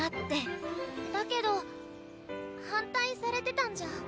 だけど反対されてたんじゃ。